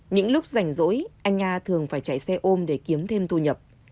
những lúc rảnh rỗi anh nga thường phải chạy xe ôm để kiếm thêm thu nhập